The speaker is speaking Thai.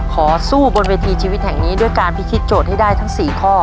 ขอสู้บนเวทีชีวิตแห่งนี้ด้วยการพิธีโจทย์ให้ได้ทั้ง๔ข้อ